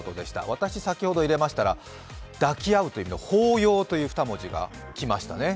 私、先ほど入れましたら、抱き合うという意味の抱擁という２文字が来ましたね。